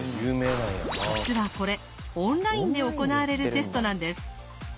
実はこれオンラインで行われるテストなんです。